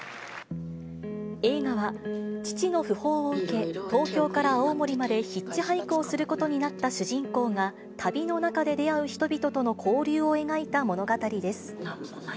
映画は、父の訃報を受け、東京から青森までヒッチハイクをすることになった主人公が、旅の中で出会う人々との交流を描いた物語です。